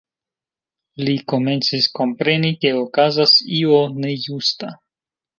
Li komencis kompreni, ke okazas io nejusta.